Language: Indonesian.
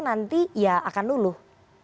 nanti ya akan luluh